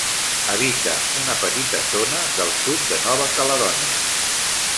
Habita una petita zona del sud de Nova Caledònia.